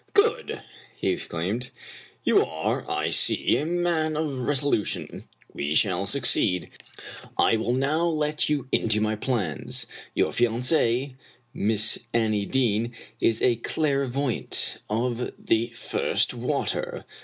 "Good I" he exclaimed. "You are, I see, a man of resolution. We shall succeed. I will now let you into my plans. Your fiancee, Miss Annie Deane, is a clair voyante of the first water.